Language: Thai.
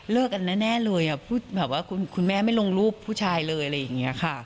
เลิกกันแน่เลยคุณแม่ไม่ลงรูปผู้ชายเลย